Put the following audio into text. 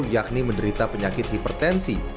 yakni menderita penyakit hipertensi